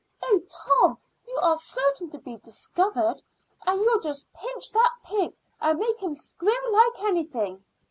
"Oh, Tom, you are certain to be discovered. And you'll just pinch that pig and make him squeal like anything."